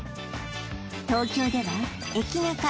東京では駅ナカ